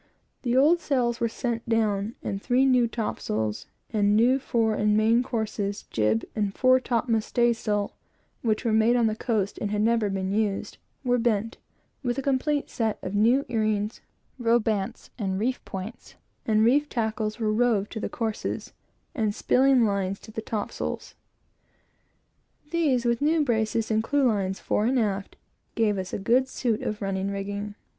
The old sails were sent down, and three new topsails, and new fore and main courses, jib, and fore topmast staysail, which were made on the coast, and never had been used, were bent, with a complete set of new earings, robands and reef points; and reef tackles were rove to the courses, and spilling lines to the top sails. These, with new braces and clew lines, fore and aft, gave us a good suit of running rigging.